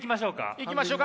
いきましょうか。